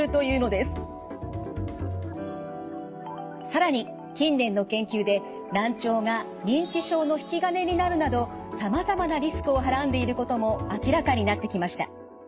更に近年の研究で難聴が認知症の引き金になるなどさまざまなリスクをはらんでいることも明らかになってきました。